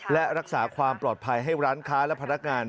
และรักษาความปลอดภัยให้ร้านค้าและพนักงาน